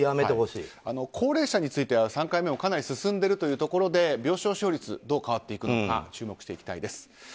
高齢者については３回目もかなり進んでいるというところで病床使用率どう変わっていくのか注目していきたいです。